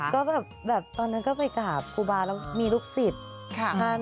ก็ตอนนั้นก็ไปขาปุลุประทะวรศาสตร์แล้วมีลูกศิษย์ทำเนี่ย